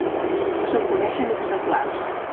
No se'n coneixen exemplars.